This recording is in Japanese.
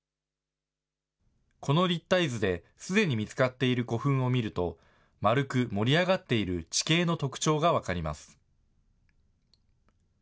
この立体図で、すでに見つかっている古墳を見ると、まるく盛り上がっている地形の特徴が分かります。